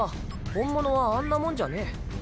本物はあんなもんじゃねぇ。